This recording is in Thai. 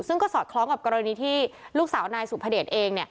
ซึ่งก็สอดคล้องกับกรณีที่ลูกสาวนายสุภเดชเอง